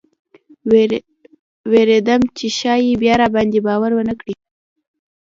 ویرېدم چې ښایي بیا راباندې باور ونه کړي.